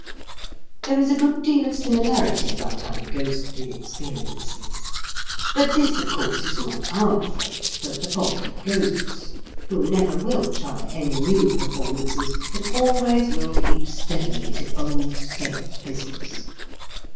There is a good deal of similarity about our ghostly experiences; but this of course is not our fault but the fault of ghosts, who never will try any new performances, but always will keep steadily to old, safe business.